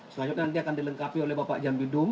selanjutnya nanti akan dilengkapi oleh bapak jambi dum